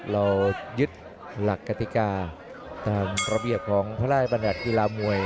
เรายึดหลักกติกาตามระเบียบของพระราชบัญญัติกีฬามวย